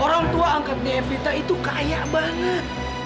orang tua angkatnya evita itu kaya banget